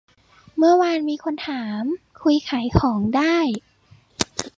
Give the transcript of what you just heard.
เมื่อวานมีคนถาม คุยขายของได้